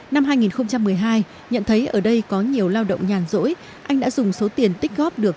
năm hai nghìn một mươi hai nhận thấy ở đây có nhiều lao động nhàn rỗi anh đã dùng số tiền tích góp được